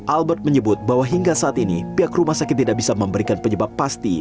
albert menyebut bahwa hingga saat ini pihak rumah sakit tidak bisa memberikan penyebab pasti